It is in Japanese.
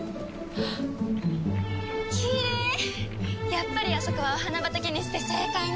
やっぱりあそこはお花畑にして正解ね。